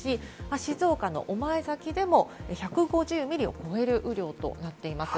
静岡の御前崎でも１５０ミリを超える雨量となっています。